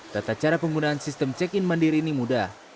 tata cara penggunaan sistem check in mandiri ini mudah